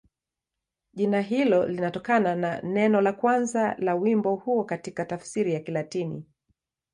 Jina hilo linatokana na neno la kwanza la wimbo huo katika tafsiri ya Kilatini.